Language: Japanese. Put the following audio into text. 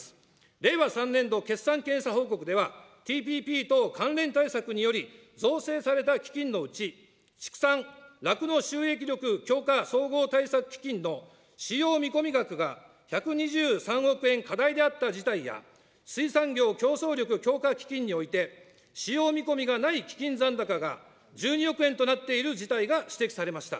令和３年度決算検査報告では、ＴＰＰ等関連対策により、造成された基金のうち、畜産・酪農収益力強化総合対策基金の使用見込額が１２３億円過大であった事態や、水産業競争力強化基金において、使用見込みがない基金残高が１２億円となっている事態が指摘されました。